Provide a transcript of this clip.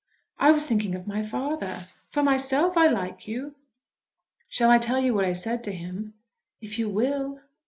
"I was thinking of my father. For myself I like you." "Shall I tell you what I said to him?" "If you will."